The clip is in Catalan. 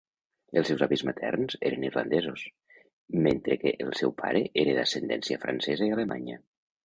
Els seus avis materns eren irlandesos, mentre que el seu pare era d'ascendència francesa i alemanya.